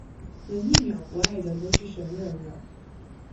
能一秒不爱的都是神人了